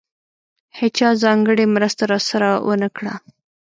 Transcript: هېچا ځانګړې مرسته راسره ونه کړه.